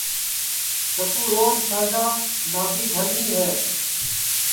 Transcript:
چکُو روج سانجا نادی بھرنی ہے